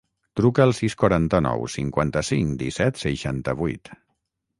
Truca al sis, quaranta-nou, cinquanta-cinc, disset, seixanta-vuit.